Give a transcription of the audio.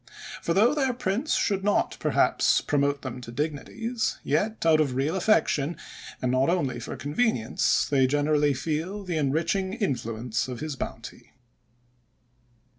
For though their prince should not, perhaps, promote them to dignities, yet, out of real affection, and not only for convenience, they generally feel the enriching influence of his bounty.